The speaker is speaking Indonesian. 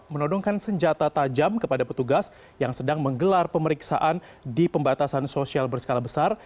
menodongkan senjata tajam kepada petugas yang sedang menggelar pemeriksaan di pembatasan sosial berskala besar